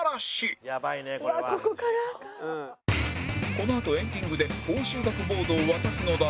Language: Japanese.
このあとエンディングで報酬額ボードを渡すのだが